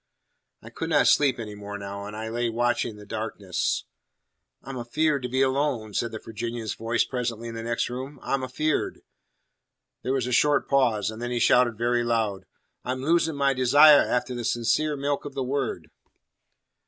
I could not sleep any more now, and I lay watching the darkness. "I'm afeard to be alone!" said the Virginian's voice presently in the next room. "I'm afeard." There was a short pause, and then he shouted very loud, "I'm losin' my desire afteh the sincere milk of the Word!"